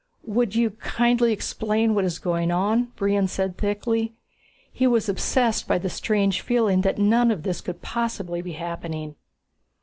"Would you kindly explain what is going on?" Brion said thickly. He was obsessed by the strange feeling that none of this could possibly be happening.